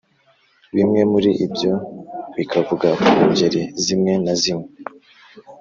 Bimwe muri byo bikavuga ku ngeri zimwe na zimwe